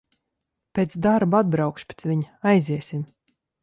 Pēc darba atbraukšu pēc viņa, aiziesim.